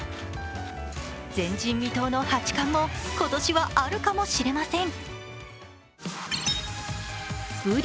前人未到の八冠も今年はあるかもしれません。